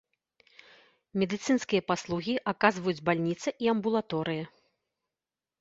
Медыцынскія паслугі аказваюць бальніца і амбулаторыя.